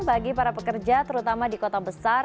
bagi para pekerja terutama di kota besar